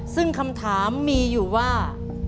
ซึ่งคำถามมีอยู่ว่า